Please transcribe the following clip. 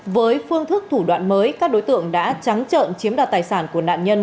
với phương thức thủ đoạn mới các đối tượng đã trắng trợn chiếm đoạt tài sản của nạn nhân